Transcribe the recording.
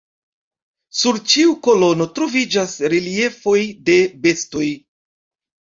Sur ĉiu kolono troviĝas reliefoj de bestoj.